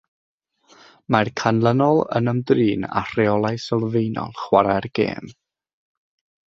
Mae'r canlynol yn ymdrin â rheolau sylfaenol chwarae'r gêm.